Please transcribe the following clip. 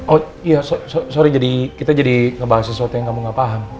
oh iya sorry jadi kita jadi ngebahas sesuatu yang kamu gak paham